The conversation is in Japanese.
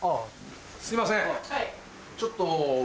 すいません。